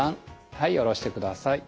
はい下ろしてください。